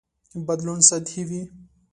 بدلون سطحي وي.